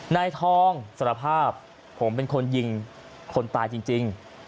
นายทองสารภาพผมเป็นคนยิงคนตายจริง